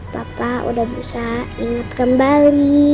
papa udah berusaha ingat kembali